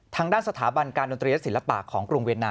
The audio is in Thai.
ทางด้านสถาบันการดนตรีและศิลปะของกรุงเวียนนา